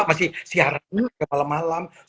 masih siaran ke malam malam